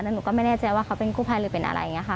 หนูก็ไม่แน่ใจว่าเขาเป็นกู้ภัยหรือเป็นอะไรอย่างนี้ค่ะ